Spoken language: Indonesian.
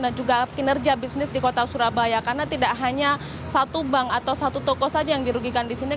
dan juga kinerja bisnis di kota surabaya karena tidak hanya satu bank atau satu toko saja yang dirugikan di sini